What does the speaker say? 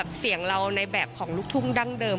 เสียงเราในแบบของลูกทุ่งดั้งเดิม